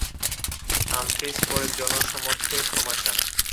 Humphreys পরে জনসমক্ষে ক্ষমা চান।